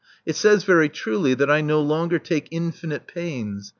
It says very truly that I no longer take infinite pains.